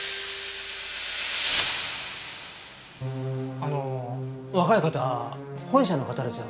あの若い方本社の方ですよね？